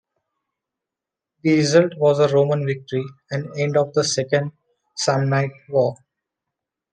The result was a Roman victory and end of the Second Samnite War.